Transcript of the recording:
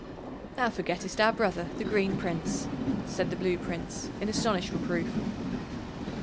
"Thou forgettest our brother, the Green Prince," said the Blue Prince in astonished reproof.